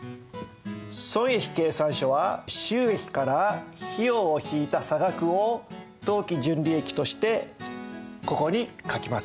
損益計算書は収益から費用を引いた差額を当期純利益としてここに書きます。